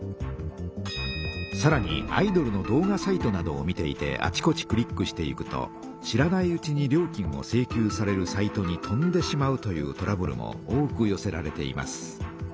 さらにアイドルの動画サイトなどを見ていてあちこちクリックしていくと知らないうちに料金を請求されるサイトに飛んでしまうというトラブルも多くよせられています。